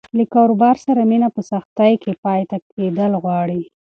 له کاروبار سره مینه په سختۍ کې پاتې کېدل غواړي.